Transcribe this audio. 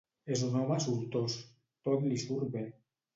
És un home sortós: tot li surt bé.